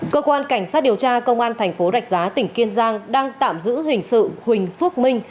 cơ quan cảnh sát điều tra công an thành phố rạch giá tỉnh kiên giang đang tạm giữ hình sự huỳnh phước minh